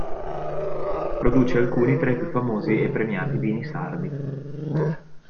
Produce alcuni tra i più famosi e premiati vini sardi.